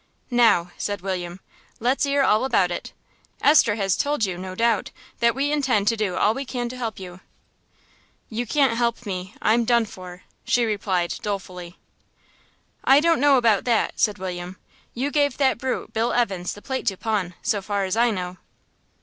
"Now," said William, "let's 'ear all about it. Esther has told you, no doubt, that we intend to do all we can to help you." "You can't help me.... I'm done for," she replied dolefully. "I don't know about that," said William. "You gave that brute Bill Evans the plate to pawn, so far as I know."